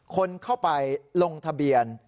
คนเข้าไปลงทะเบียน